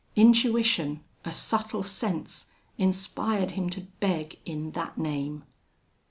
Intuition, a subtle sense, inspired him to beg in that name.